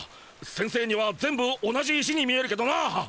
先生には全部同じ石に見えるけどな。